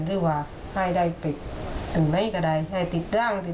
และบอกว่าเพื่อนคนนี้เนี่ย